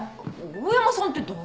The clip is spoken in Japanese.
大山さんって誰？